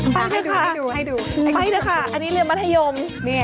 ไปเถอะค่ะอันนี้เรียนมัธยม